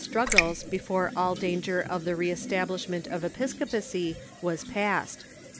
^^ struggles before all danger of the re establishment of episcopacy was passed.